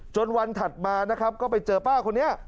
วันถัดมานะครับก็ไปเจอป้าคนนี้